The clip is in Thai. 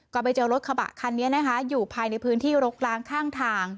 ก็ไปเจอรถกระบะคันนี้นะคะอยู่ภายในพื้นที่รกล้างข้างทาง